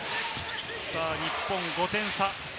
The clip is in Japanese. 日本５点差。